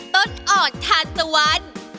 ต้นอ่อนทานตะวัน